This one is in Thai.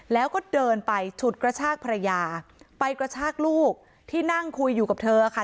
แล้วก็เดินไปฉุดกระชากภรรยาไปกระชากลูกที่นั่งคุยอยู่กับเธอค่ะ